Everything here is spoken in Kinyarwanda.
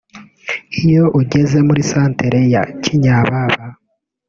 Iyo ugeze muri santere ya Kinyababa